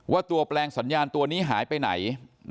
ว่าตัวแปลงสัญญาณตัวนี้หายไปไหน